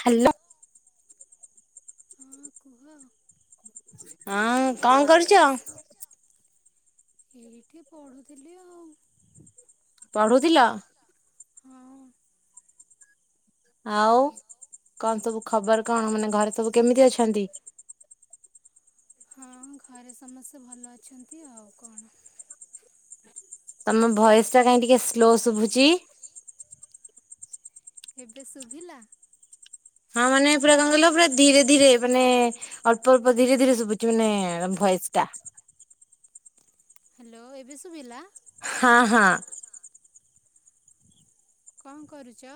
Hello. ହଁ କୁହ ହଁ କଣ କରୁଚ? ଏଇଠି ପଢୁଥିଲି ଆଉ ପଢୁଥିଲ ଆଉ କଣ ସବୁ ଖବର କଣ ମାନେ ଘରେ ସବୁ କେମିତି ଅଛନ୍ତି? ହଁ ଘରେ ସମସ୍ତେ ଭଲ ଅଛନ୍ତି ଆଉ କଣ ତମ ଭଏସ ଟା କାଇହିଁ ଟିକେ ସ୍ଲୋ ଶୁଭୁଛି? ଏବେ ଶୁଭିଲା। ହଁ ମାନେ ପୁରା କଣ କହିଲ ପୁରା ଧୀରେ ଧୀରେ ମାନେ ଅଳ୍ପ ଅଳ୍ପ ଧୀରେ ଧୀରେ ଶୁଭୁଛି ମାନେ ଭୟସ ଟା ହ୍ୟାଲୋ ଏବେ ସୁଭିଲା - - ହଁ ହଁ [inaudible] କଣ କରୁଚ?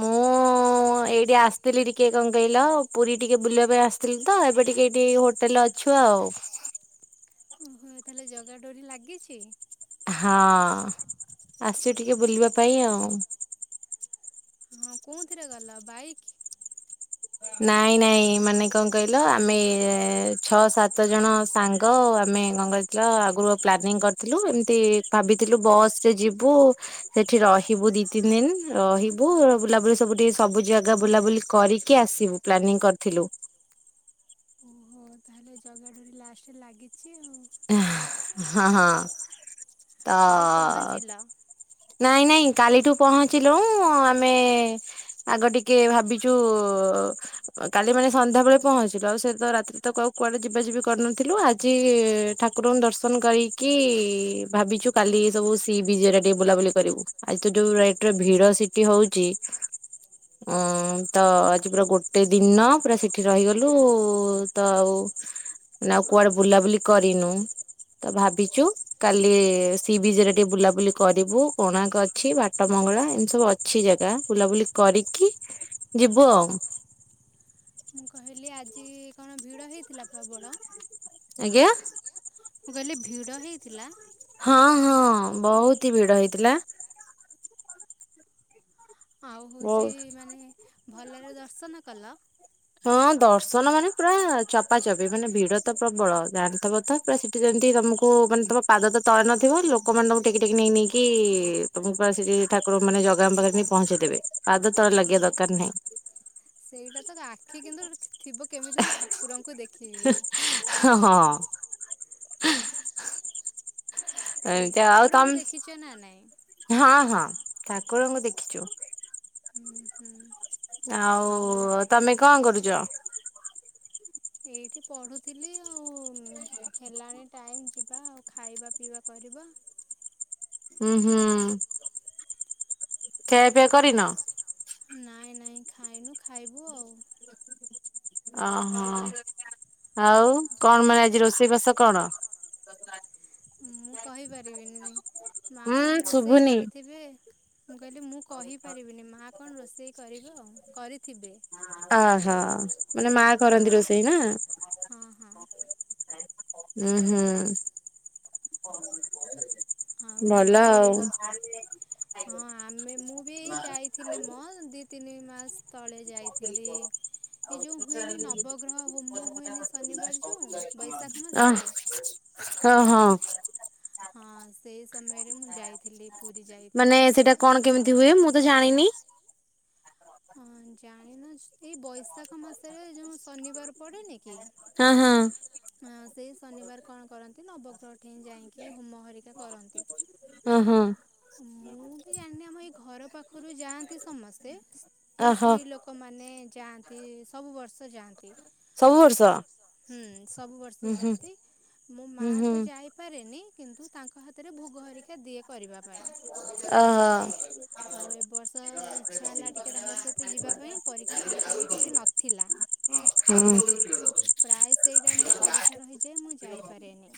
ମୁଁ ଏଇଠି ଆସିଥିଲି ଟିକେ କଣ କହିଲ ପୁରୀ ଟିକେ ବୁଲିବା ପାଇଁ ଆସିଥିଲି ତ ଏବେ ଟିକେ ଏଇଠି ହୋଟେଲ ଅଛୁ ଆଉ। ଓହୋ ତାହେଲେ ଜଗା ଡୋରି ଲାଗିଛି? ହଁ ଆସୁ ଟିକେ ବୁଲିବା ପାଇଁ ଆଉ। ହଁ କୋଉଥିରେ ଗଲ ବାଇକ୍? ନାଇଁ ନାଇଁ ମାନେ କଣ କହିଲ ଆମେ ଛଅ ସାତ ଜଣ ସାଙ୍ଗ ଆମେ ଗଙ୍ଗଥିଲା ଆଗରୁ ପ୍ଲାନିଂ କରିଥିଲୁ ଏମିତି ଭାବିଥିଲୁ ବସରେ ଯିବୁ ସେଠି ରହିବୁ ଦି ତିନି ଦିନ ରହିବୁ ବୁଲାବୁଲି ସବୁ ସବୁ ଜାଗା ବୁଲାବୁଲି କରି କିଏ ଆସିବୁ ପ୍ଲାନିଂ କରିଥିଲୁ ତାହେଲେ ଜାଗା ଟ ବି ଲାଷ୍ଟରେ ଲାଗିଛି ଆଉ ହଁ ହଁ ତ ନାଇଁ ନାଇଁ କାଲିଠୁ ପହଞ୍ଚିଲୁ ଆମେ ଆଗ ଟିକେ ଭାବିଛୁ କାଲି ମାନେ ସନ୍ଧ୍ୟାବେେଳେ ପହଞ୍ଚିଲୁ ଆଉ ସେ ତ ରାତିରେ ତ କ କୁଆଡେ ଯିବା ଯିବି କରିନଥିଲୁ ଆଜି ଠାକୁରଙ୍କୁ ଦର୍ଶନ କରିକି ଭାବିଛୁ କାଲି ସବୁ ସେି ବିଜୟ ଟା ଟିକେ ବୁଲାବୁଲି କରିବୁ ଆଜି ତ ଯୋଉ ରେଟରେ ଭିଡ ସେଠି ହଉଛି ଅ ତ ଆଜି ପୁରା ଗୋଟେ ଦିନ ପୁରା ସେଠି ରହିଗଲୁ ତ ଆଉ ମେ ଆଉ କୁଆଡେ ବୁଲାବୁଲି କରିନୁ ତ ଭାବିଛୁ କାଲି ସି ବିଜରେ ଟିକେ ବୁଲାବୁଲି କରିବୁ କୋଣାର୍କ ଅଛି ବାଟମଙ୍ଗଳା ଏମିତି ସବୁ ଅଛି ଜାଗା ବୁଲାବୁଲି କରିକି ଯିବୁ ଆଉ ମୁଁ କହିଲି ଆଜି କଣ ଭିଡ଼ ହେଇଥିଲା ପ୍ରବଳ ଆଜ୍ଞା ମୁଁ ଗହିଲେ ଭିଡ଼ ହେଇଥିଲା ହଁ ବହୁତ ଭିଡ ହେଇଥିଲା ହେଉଛି ମାନେ ଭଲରେ ଦର୍ଶନ କଲ ଦର୍ଶନ ମାନେ ପୁରା ଚପାଚପି ମାନେ ଭିଡ଼ ତ ପ୍ରବଳ ଜାଣିଥିବ ତ ପୁରା ସେଠି ଯେମିତି ତମକୁ ମାନେ ତମ ପାଦ ତ ତଳେ ନଥିବ ଲୋକମାନେ ତମକୁ ଟେକି ଟେକି ନେଇ ନେଇକି ତମକୁ ପା ସେଠି ଠାକୁର ମାନେ ଜଗାଙ୍କ ପାଖରେ ନେଇ ପହଞ୍ଚେଇ ଦେବେ ଆଧ ତଳ ଲଗ ଦୋକାଇଁ କି କିନ୍ତୁ ଥିବ କେମିତି ମୁଁ ଠାକୁରଙ୍କୁ ଦେଖେଇବି ଏ ଆଉ ତମ ହଁ ହଁ ଠାକୁରଙ୍କୁ ଦେଖିଛୁ, ହୁଁ ହୁଁ ଆଉ ତମେ କଣ କରୁଛ। ଯାଅ। ଏଇଠି ପଢୁଥିଲି ଆଉ ହେଲାଣି ଟାଇମ୍ ଯିବା ଆଉ ଖାଇବା ପିଇବା କରିବା। ହୁଁ ହୁଁ। ଖିଆ ଫିଆ କରିନ। ନାଇଁ ନାଇଁ ଖାଇନୁ ଖାଇବୁ ଆଉ। ଓହୋ ଆଉ କଣ ମାନେ ଆଜି ରୋଷେଇ ବାସ କଣ। ମୁଁ କହିପାରିବିନି। ମା କଣ ରୋଷେଇ କରିଥିବେ। ମୁଁ କହିଲି ମୁଁ କହିପାରିବିନି ମା କଣ ରୋଷେଇ ସେଇ କରିବ ଆଉ କରିଥିବେ। ଅହୋ ମାନେ ମା କରନ୍ତି ରୋଷେଇ ନା। ହଁ ହଁ। ହୁଁ ହୁଁ। ନଲା ଆଉ। ହଁ ଆମେ ମୁଁ ବି ଏଇ ଯାଇଥିଲି ମୋ ଦୁଇ ତିନି ମାସ ତଳେ ଯାଇଥିଲି ଏ ଯେଉଁ ହୁଏନି ନବଗ୍ରହ ହୋମ ହୁଏନି ଶନିବାର ଯୋଉଁ। ଅ ହଁ ହଁ। ହଁ ସେଇ ସମୟରେ ମୁଁ ଯାଇଥିଲି। ମାନେ ସେଇଟା କଣ କେମିତି ହୁଏ। ମୁଁ ତ ଜାଣିନି। ହଁ ଜାଣିନ ଏଇ ବୈଶାଖ ମାସରେ ଯୋଉ ଶନିବାର ପଡେନି କି? ହଁ ହଁ। ସେ ଶନିବାର କଣ କରନ୍ତି ନା ନବଗ୍ରହ ଠେଇଁ ଯାଇକି ହୁମ ହେରିକା କରନ୍ତି। ହଁ ହଁ। ମୁଁ ବି ଜାଣିନି ଆମ ଏଇ ଘର ପାଖରୁ ଯାଆନ୍ତି ସମସ୍ତେ। ସେଇ ସ୍ତ୍ରୀଲୋକମାନେ। ଯାଆନ୍ତି, ସବୁବର୍ଷ ଯାଆନ୍ତି। ହୁଁ ସବୁବର୍ଷ ଯାଆନ୍ତି, ମୋ ମା ତ ଯାଇପାରେନି। କିନ୍ତୁ ତାଙ୍କ ହାତରେ ଭୋଗ ହେରିକା ଦିଏ କରିବା ପାଇଁ। ଆଉ ଏ ବର୍ଷ ଇଚ୍ଛା ହେଲା ଟିକେ ତାଙ୍କ ସହିତ ଯିବାପାଇଁ, ପରୀକ୍ଷା ଫରୀକ୍ଷା ବି କିଛି ନଥିଲା। ହଁ। ସେଇ ଟାଇମ୍ ରେ ପରୀକ୍ଷା ରହିଯାଏ ମୁଁ ଯାଇପାରେନି।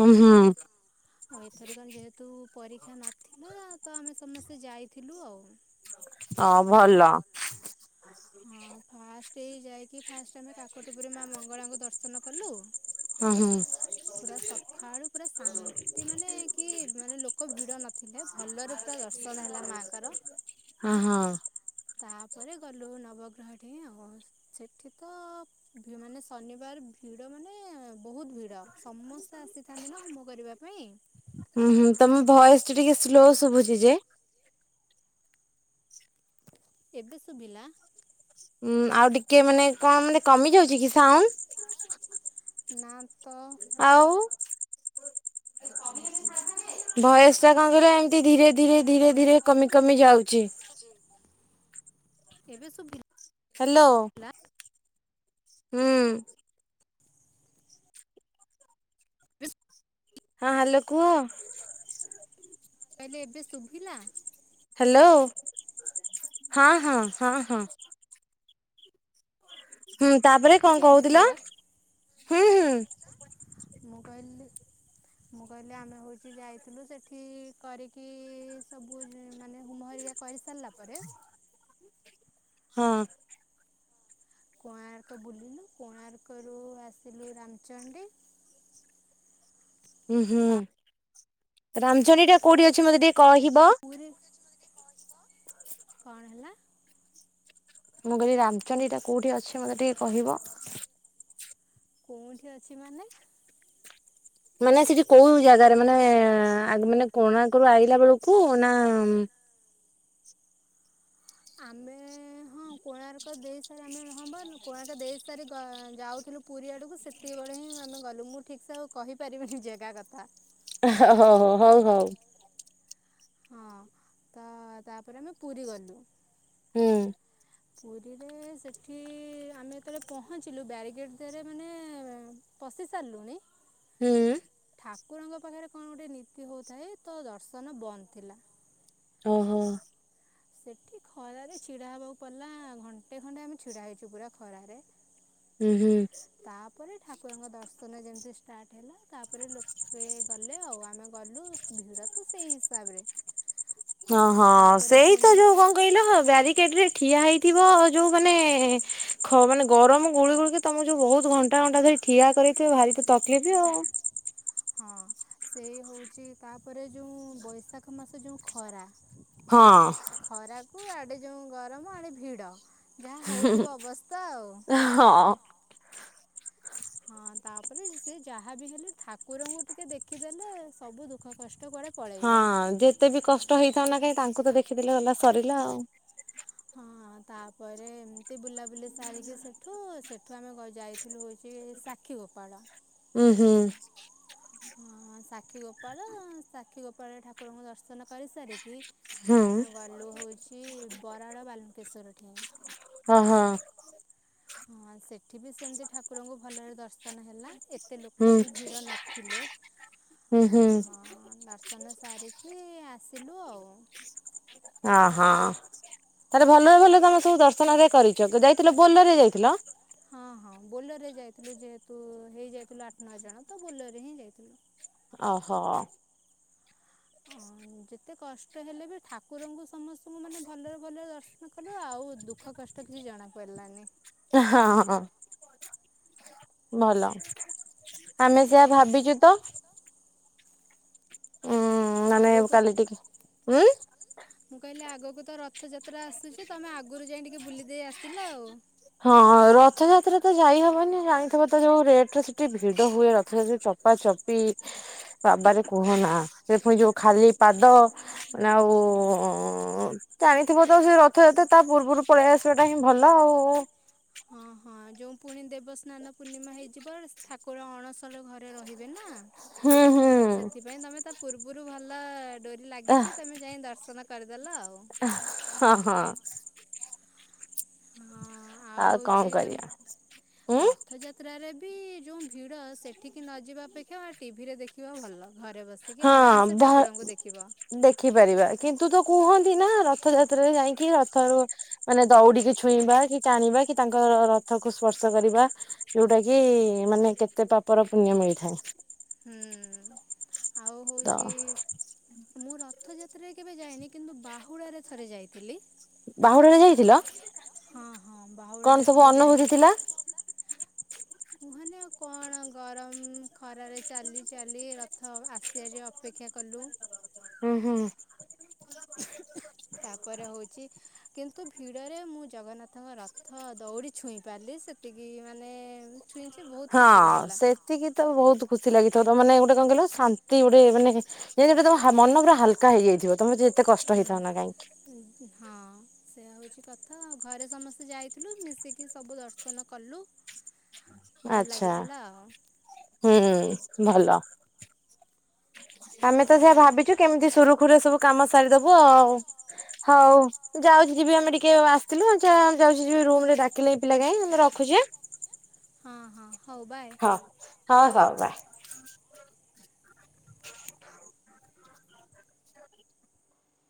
ହୁଁ ହୁଁ। ଆଉ ଏଥରିକା ଯେହେତୁ ପରୀକ୍ଷା ନଥିଲା ତ ଆମେ ସମସ୍ତେ ଯାଇଥିଲୁ ଆଉ। ହଁ ଭଲ। ହଁ ଫାଷ୍ଟ ଏଇ ଯାଇକି ଫାଷ୍ଟ ଆମେ କାକଟପୁରରେ ମା ମଙ୍ଗଳାଙ୍କୁ ଦର୍ଶନ କଲୁ। ହଁ ହୁଁ। ପୁରା ସକାଳୁ ପୁରା ଶାନ୍ତି ମାନେ କି ମାନେ ଲୋକ ଭିଡ ନଥିଲେ ଭଲରେ ପୁରା ଦର୍ଶନ ହେଲା ମାଙ୍କର। ହଁ ହଁ। ତାପରେ ଗଲୁ ନବଗ୍ରହଠେଇଁ ଆଉ ସେଠି ତ ଭି ମାନେ ଶନିବାର ଭିଡ଼ ମାନେ ବୋହୁତ ଭିଡ଼ ସମସ୍ତେ ଆସିଥାନ୍ତି ନାଁ ହୋମ କରିବା ପାଇଁ। ହୁଁ ହୁଁ ତମ ଭଏସ ଟା ଟିକେ ସ୍ଲୋ ଶୁଭୁଚି ଯେ। ଏବେ ସୁବିଲା? ହୁଁ ଆଉ ଟିକେ ମାନେ କଣ ମାନେ କମି ଯାଉଚି କି ସାଉଣ୍ଡ? ନାଁ ତ। ଆଉ ଭଏସଟା କଁ କହିଲ ଏମିତି ଧୀରେ ଧୀରେ ଧୀରେ ଧୀରେ କମି କମି ଯାଉ ବୁଚି ଏବେ ଶୁଭି ହାଲୋ ହୁଁ। ବେ ଶୁ ହଁ ହାଲୋ କୁହ। କହିଲି ଏବେ ଶୁଭିଲା? ହାଲୋ ହଁ ହଁ ହଁ ହଁ। ହୁଁ ତାପରେ କଁ କହୁଥିଲ ହୁଁ ହୁଁ। କହିଲି ମୁଁ କହିଲି ଆମେ ହୋଉଚି ଯାଇଥିଲୁ ସେଠି କରିକି ସବୁ ମାନେ ହୁମ ହରିକା କରିସାରିଲା ପରେ ହଁ। କୋଣାର୍କ ବୁଲିଲୁ କୋଣାର୍କରୁ ଆସିଲୁ ରାମଚଣ୍ଡୀ। ହୁଁ ହୁଁ ରାମଚଣ୍ଡୀଟା କୋଉଠି ଅଛି ମତେ ଟିକେ ପୁରି କଣ ହେଲା? ମୁଁ କହିଲି ରାମଚଣ୍ଡୀଟା କୋଉଠି ଅଛି ମତେ ଟିକେ କହିବ। କୋଉଠି ଅଛି ମାନେ? ମାନେ ସେଠି କୋଉ ଜାଗାରେ ମାନେ ଆଗ୍ ମାନେ କୋଣକରୁ ଆଇଲା ବେଳୁକୁ ନାଁ ଆମେ ହଁ କୋଣାର୍କ ଦେଇ ସାରି ଆମେ ହଁ ବା କୋଣାର୍କ ଦେଇ ସାରି ଗ ଯାଉଥିଲୁ ପୁରୀ ଆଡ଼ୁକୁ ସେତିକିବେଳେ ହିଁ ଆମେ ଗଲୁ ମୁଁ ଠିକ ସେ ଆଉ କହିପାରିବିନି ଜେଗା କଥା। ହଁ ହଁ ହଁ ହଉ ହଉ। ହଁ ତ ତାପରେ ଆମେ ପୁରୀ ଗଲୁ। ହୁଁ। ପୁରୀରେ ସେଠି ଆମେ ଯେତବେଳେ ପହଞ୍ଚିଲୁ ବ୍ୟାରିଗେଟ ଦେରେ ମାନେ ପଶି ସାରିଲୁଣି ହୁଁ। ଠାକୁରଙ୍କ ପାଖରେ କଣ ଗୋଟେ ନୀତି ହୋଉଥାଏ ତ ଦର୍ଶନ ବନ୍ଦ ଥିଲା। ଓହୋ। ସେଠି ଖରାରେ ଛିଡ଼ା ହେବାକୁ ପଡ଼ିଲା ଘଣ୍ଟେ ଖଣ୍ଟେ ଆମେ ଛିଡ଼ା ହେଇଚୁ ପୁରା ଖରାରେ। ଉଁ ହୁଁ। ତାପରେ ଠାକୁରଙ୍କ ଦର୍ଶନ ଯେମ ତି ଷ୍ଟାର୍ଟ ହେଲା ତାପରେ ଲୋକେ ଗଲେ ଆଉ ଆମେ ଗଲୁ ଭିଡ଼ ତ ସେଇ ହିସାବରେ ହଁ ହଁ ସେଇ ତ ଯୋଉ କଣ କହିଲ ବ୍ୟାରିକେଟ୍ ବି ଠିଆ ହେଇଥିବ ଯୋଉ ମାନେ ଖ ମାନେ ଗରମ ଗୁଳୁ ଗୁଳିକି ତମୁକୁ ଯୋଉ ବୋହୁତ ଘଣ୍ଟା ଘଣ୍ଟା ଧରି ଠିଆ କରେଇଥିବେ ଭାରି ତ ତକଲିଫ ଆଉ। ହଁ ସେଇ ହୋଉଚି ତାପରେ ଯୋଉଁ ବୈଶାଖ ମାସ ଯୋଉଁ ଖରା। ଖରାକୁ ଆଡ଼େ ଯୋଉଁ ଗରମ ଆଡ଼େ ଭିଡ଼। ଯାହା ହଉଥିବ ଅବସ୍ଥା ଆଉ। ହଁ ତାପରେ ସେ ଯାହା ବିି ହେଲେ ଠାକୁରଙ୍କୁ ଟିକେ ଦେଖିଦେଲେ ସବୁ ଦୁଃଖ କଷ୍ ହଁ ଯେତେ ବି କଷ୍ଟ ହେଇଥାଉ ନା କାଇଁ ତାଙ୍କ ତାକୁ ତ ଦେଖିଦେଲେ ଗଲା ସରିଲା ଆଉ। ହଁ ତାପରେ ଏମିତି ବୁଲାବୁଲି ସାରିକି ସେଠୁ ସେଠୁ ଆମେ ଯାଇଥିଲୁ ହେଉଛି ସାକ୍ଷୀଗୋପାଳ। ହୁଁ ହୁଁ ହଁ ସାକ୍ଷୀ ଗୋପାଳ ସାକ୍ଷୀ ଗୋପାଳରେ ଠାକୁରଙ୍କୁ ଦର୍ଶନ କରିସାରିକି ଆମେ ଗଲୁ ହଉଛି ବରାଳ ବାଲୁକେଶ୍ଵର ଠେଇଁ ହ ହଁ ହଁ ସେଠି ବି ସେମିତି ଠାକୁରଙ୍କୁ ଭଲରେ ଦର୍ଶନ ହେଲା। ଏତେ ଲୋକ ବି ଭିଡ଼ ନଥିଲେ ଅଁ ଦର୍ଶ ଶନ ସାରିକି ଆସିଲୁ ଆଉ। ଓ ହଁ ତାହେଲେ ଭଲରେ ଭଲ ତମେ ସବୁ ଦର୍ଶନ ହେରିକା କରିଛ ଯାଇଥିଲ ବୋଲେରରେ ଯାଇଥିଲ। ହଁ ହଁ ବୋଲେରୋ ରେ ଯାଇଥିଲୁ ଯେହେତୁ ହେଇ ଯାଇଥିଲୁ ଆଠ ନଅ ଜଣ ତ ବୋଲେରୋ ରେ ହିଁ ଯାଇଥିଲୁ। ଓହୋ ଅ ଯେତେ କଷ୍ଟ ହେଲେ ବି ଠାକୁରଙ୍କୁ ସମସ୍ତଙ୍କୁ ମାନେ ଭଲରେ ଭଲରେ ଦର୍ଶନ କଲୁ ଆଉ ଦୁଃଖ କଷ୍ଟ କିଛି ଜଣା ପଡିଲାନି। ହଁ ହଁ ଭଲ। ଆମେ ସେଆ ଭାବିଛୁ ତ ହଁ ନା ନାଇଁ କାଲି ଟିକେ ହୁଁ କୁ ତ ରଥଯାତ୍ରା ଆସୁଛି ତମେ ଆଗରୁ ଯାଇ ଟିକେ ବୁଲି ଦେଇେଇ ଆସିଲ ଆଉ। ହଁ ରଥଯାତ୍ରା ତ ଯାଇହବନି ଜାଣିଥିବ ତ ଯୋଉ ରେଟରେ ସେଠି ଭିଡ ହୁଏ ରଥଯାତା ଚପା ଚପି ବାବାରେ କୁହନା ସେ ପୁଣି ଯୋଉ ଖାଲି ପାଦ ଆଉ -ଉଁ- ଉ ଜାଣିଥିବ ତ ସେ ରଥଯାତ୍ରା ତା ପୂର୍ବରୁ ପଳେଇ ଆସିବା ଟା ହିଁ ଭଲ ଆଉ। ଆଗ ସ୍ନାନ ପୂର୍ଣ୍ଣିମା ହେଇଯିବ ଠା ପୁଣି ଅଣସର ଘରେ ରହିବେ ନା ସେଥିପାଇଁ ତମେ ତା ପୂର୍ବରୁ ଭଲ [unintelligible] ଡୋରି ଲାଗିଛି ତମେ ଯାଇ ଦର୍ଶନ ହଁ ହଁ ଆଉ କଣ କରିବା ଉୁଁ ବି ଯଉ ଭିଡ଼ ସେଠିକି ନ ଯିବା ଅପେକ୍ଷା ଟିଭିରେ ଦେଖିବା ଭଲ। ହଁ ଭ ଦେଖିପାରିବା କିନ୍ତୁ ତ କୁହ ନ୍ତି ନା ରଥଯାତ୍ରାରେ ଯାଇକି ରଥରୁ ମାନେ ଦଉଡିକି ଛୁଇଁବା କି ଟାଣିବା କି ତାଙ୍କର ରଥକୁ ସ୍ପର୍ଶ କରିବା ଯୋଉଟା କି ମାନେ କେତେ ପାପର ପୁଣ୍ୟ ମିଳିଥାଏ। ହୁଁ। ହଉଛି ମୁଁ ରଥ ରଥଯାତ୍ରାରେ କେବେ ଯାଇନି କିନ୍ତୁ ବାହୁଡ଼ା ରେ ଥରେ ଯାଇଥିଲି। ବାହୁଡ଼ା ରେ ଯାଇଥିଲ? ହଁ ହଁ ବାହୁଡ଼ା ରେ ଥରେ ଯାଇଥିଲି। କୁହନି ଆଉ କଣ ଗରମ ଖରାରେ ଚାଲି ଚାଲି ରଥ ଆସିବାରେ ଅପେକ୍ଷା କଲୁ। ହୁଁ ହୁଁ। ତାପରେ ହଉଛି କିନ୍ତୁ ଭିଡ଼ରେ ମୁଁ ଜଗନ୍ନାଥଙ୍କ ରଥ ଦୌଡ଼ି ଛୁଇଁ ପାରିଲି ସେତିକି ମାନେ ଏ ହଁ ସେତିକି ତ ବହୁତ ଖୁସି ଲାଗି ଧର ମାନେ ଗୋଟେ କଣ କହିଲ ଶାନ୍ତି ଗୋଟେ ମାନେ ଯେମିତି ଗୋଟେ ତ ମନ ପୁରା ହାଲକା ହେଇଯାଇଥିବ ତମେ ଯେ ହୁଁ ହଁ ସେଇୟା ହଉଛି କଥା ଆ ଘରେ ସମସ୍ତେ ଯାଇଥିଲୁ ମିଶିକି ସବୁ ଦର୍ଶନ କଲୁ। ଆଚ୍ଛା ହୁଁ ଭଲ। ଆମେ ତ ସେଇଆ ଭାବିଚୁ କେମିତି ସୁରୁଖୁରୁରେ ସବୁ କାମ ସାରିଦବୁ ଆଉ ହଉ ଯାଉଛି ଯିବି ଆମେ ଟିକେ ଆସିଥିଲୁ ଯାଉଚି ଯିବି ରୁମ ରେ ଡାକିଲେଣି ପିଲା କାଇଁ ରଖୁଚି ଆଁ ହଁ ହଁ। ହଉ ବାଏ। ହ ହଉ ବା